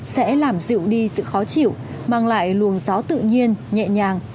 sẽ làm dịu đi sự khó chịu mang lại luồng gió tự nhiên nhẹ nhàng